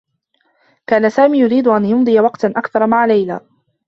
كان سامي يريد أن يمضي وقتا أكثر مع ليلى.